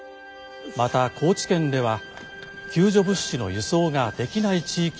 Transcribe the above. また高知県では救助物資の輸送ができない地域もあります。